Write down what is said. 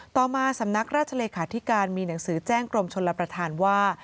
ต่อมาสำนักราชเลขาธิการมีหนังสือแจ้งกรมชนรับประทานว่า